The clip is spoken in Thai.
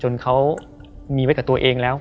จนเขามีไว้กับตัวเองแล้ว